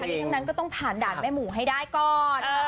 ทั้งนี้ทั้งนั้นก็ต้องผ่านด่านแม่หมูให้ได้ก่อน